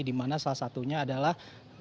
di mana salah satunya adalah